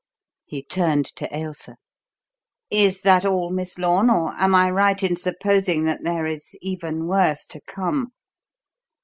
He turned to Ailsa. "Is that all, Miss Lorne, or am I right in supposing that there is even worse to come?"